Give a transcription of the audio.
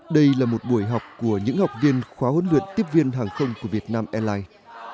đây là một buổi học của những học viên khóa huấn luyện tiếp viên hàng không của việt nam airlines